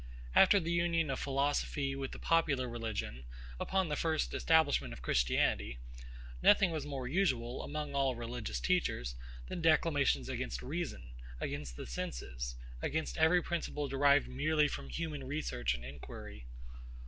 After the union of philosophy with the popular religion, upon the first establishment of Christianity, nothing was more usual, among all religious teachers, than declamations against reason, against the senses, against every principle derived merely from human research and inquiry.